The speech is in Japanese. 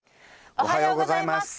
おはようございます。